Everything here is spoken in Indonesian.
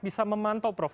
bisa memantau prof